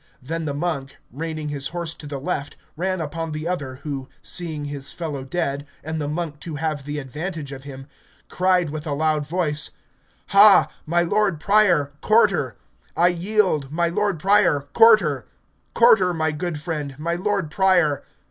Then the monk, reining his horse to the left, ran upon the other, who, seeing his fellow dead, and the monk to have the advantage of him, cried with a loud voice, Ha, my lord prior, quarter; I yield, my lord prior, quarter; quarter, my good friend, my lord prior.